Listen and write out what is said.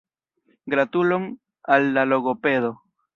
Gratulon al la logopedo!